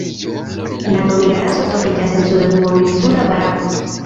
La nomiga raso troviĝas en suda duoninsula Barato.